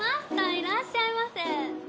いらっしゃいませ。